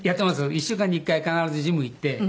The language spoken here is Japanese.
１週間に１回は必ずジム行って。